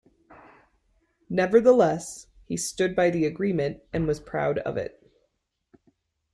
Nevertheless, he stood by the agreement and was proud of it.